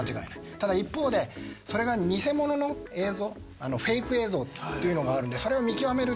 ただ一方でそれが偽物の映像フェイク映像っていうのがあるんでそれを見極めるってのがホントに今